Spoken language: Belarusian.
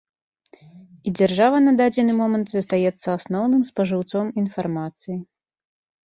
І дзяржава на дадзены момант застаецца асноўным спажыўцом інфармацыі.